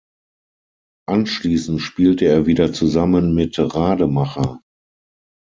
Anschließend spielte er wieder zusammen mit Rademacher.